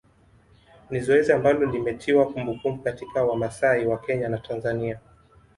Ni zoezi ambalo limetiwa kumbukumbu katika Wamasai wa Kenya na Tanzania